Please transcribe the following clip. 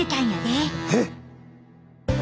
えっ！？